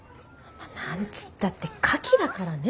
何つったってカキだからね